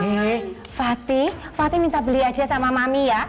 oke fatih fatih minta beli aja sama mami ya